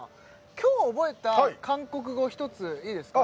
今日覚えた韓国語一ついいですか？